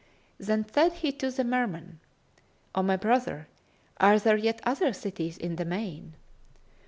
Then said he to the Merman, "O my brother, are there yet other cities in the main?"